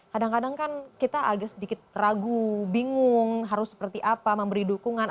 kadang kadang kan kita agak sedikit ragu bingung harus seperti apa memberi dukungan